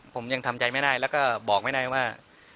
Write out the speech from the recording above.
ผมยังทำใจไม่ได้แล้วก็บอกไม่ได้ว่า